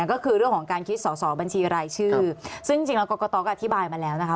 ก็คือเรื่องของการคิดสอสอบัญชีรายชื่อซึ่งจริงแล้วกรกตก็อธิบายมาแล้วนะคะ